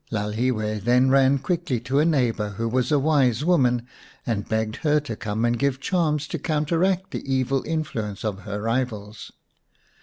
Lalhiwe then ran quickly to a neighbour who was a Wise Woman, and begged her to come and give charms to counteract the evil influence of her rivals.